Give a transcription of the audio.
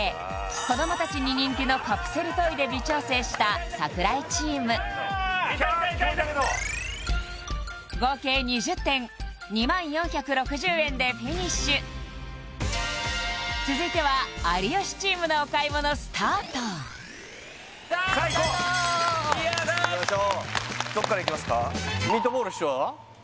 子どもたちに人気のカプセルトイで微調整した櫻井チーム合計２０点２０４６０円でフィニッシュ続いてはさあいこうやったいきましょうどこからいきますか？